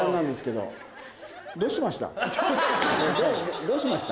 どうしました？